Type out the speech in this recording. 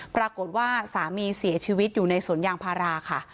ปรากฏว่าสามีเสียชีวิตอยู่ในสวนยางพาราค่ะ